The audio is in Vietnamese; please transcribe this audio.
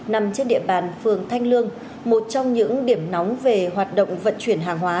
nằm trên địa bàn phường thanh lương một trong những điểm nóng về hoạt động vận chuyển hàng hóa